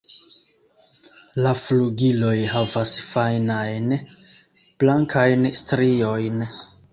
La flugiloj havas fajnajn blankajn striojn.